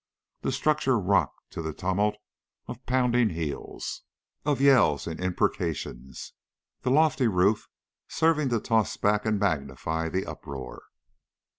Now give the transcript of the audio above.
The structure rocked to the tumult of pounding heels, of yells and imprecations, the lofty roof serving to toss back and magnify the uproar.